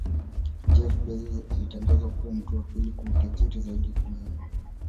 Jeff Bezos alitangazwa kuwa mtu wa pili kwa utajiri zaidi duniani